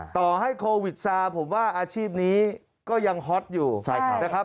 ต่อให้โควิดซาผมว่าอาชีพนี้ก็ยังฮอตอยู่นะครับ